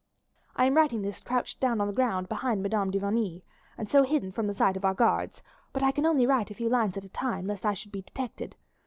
I am writing this crouched down on the ground behind Madame de Vigny, and so hidden from the sight of our guards, but I can only write a few lines at a time, lest I should be detected.